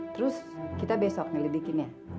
terus kita besok ngelidikin ya